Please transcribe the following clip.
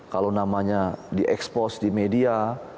kalau namanya di expose di media